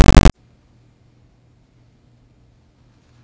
はい。